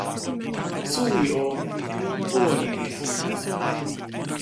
suwi o, mi olin e sina!